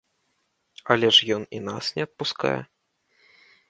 Але ж ён і нас не адпускае?